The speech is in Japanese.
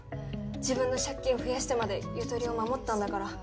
自分の借金増やしてまでゆとりを守ったんだから。